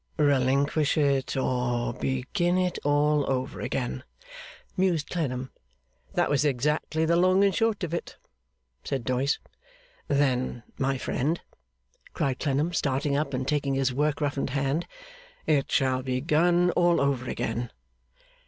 'Relinquish it, or begin it all over again?' mused Clennam. 'That was exactly the long and the short of it,' said Doyce. 'Then, my friend,' cried Clennam, starting up and taking his work roughened hand, 'it shall be begun all over again!